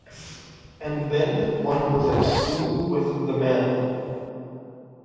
And then one was at school with the man.